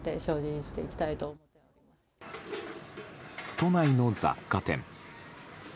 都内の雑貨店。